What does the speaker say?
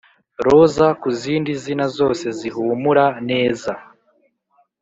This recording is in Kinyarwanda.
roza ku zindi zina zose zihumura neza